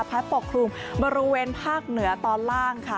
ปกคลุมบริเวณภาคเหนือตอนล่างค่ะ